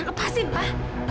apa sih bapak